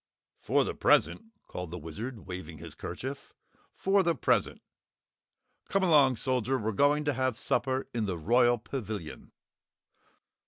"For the present," called the Wizard, waving his kerchief, "for the present. Come along, Soldier, we're going to have supper in the Royal Pavilion!"